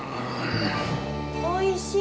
おいしい！